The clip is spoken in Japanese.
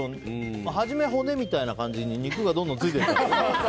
初めは骨みたいな感じで肉がどんどんついていって。